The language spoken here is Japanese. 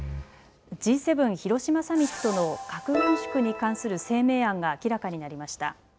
Ｇ７広島サミットの核軍縮に関する声明案が明らかになりました。